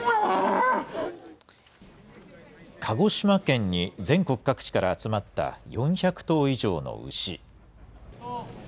鹿児島県に全国各地から集まった４００頭以上の牛。